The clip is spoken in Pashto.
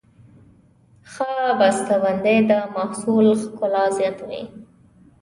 ښه بسته بندي د محصول ښکلا زیاتوي.